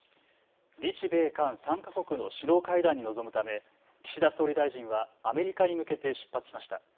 日米韓３か国の首脳会談に臨むため、岸田総理大臣はアメリカに向けて出発しました。